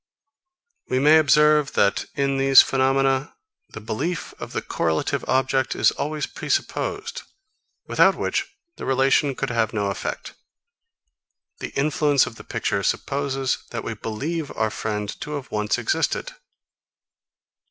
44. We may observe, that, in these phaenomena, the belief of the correlative object is always presupposed; without which the relation could have no effect. The influence of the picture supposes, that we believe our friend to have once existed.